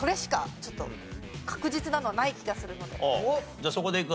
じゃあそこでいく？